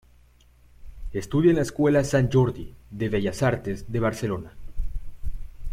Estudia en la Escuela Sant Jordi de Bellas Artes de Barcelona.